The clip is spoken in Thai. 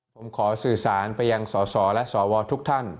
ผมขอสื่อสารไปยังสสและสวทุกท่าน